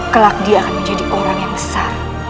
kelak dia akan menjadi orang yang besar